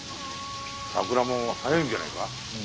桜も早いんじゃねえか。